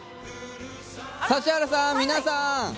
指原さん、皆さん！